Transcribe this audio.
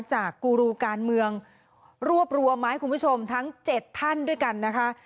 กูรูการเมืองรวบรวมมาให้คุณผู้ชมทั้ง๗ท่านด้วยกันนะคะ